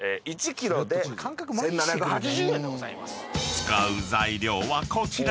［使う材料はこちら。